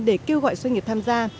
để kêu gọi doanh nghiệp tham gia